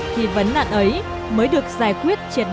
thì vấn nạn ấy mới được giải quyết triệt đề